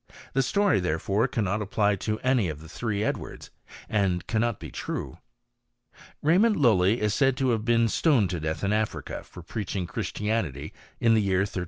The story, therefore, cannot apply to any of the three Edwards, and cannot be true. Raymond Lujly is said to have been stoned to death in Africa for preaching Christianity in the year 1315.